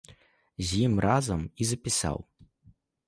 З ім разам і запісаў.